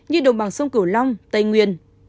như đồng bằng sông cửu long tây nguyên